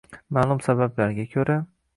Ma’lum sabablarga ko‘ra